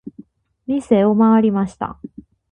店を回りました。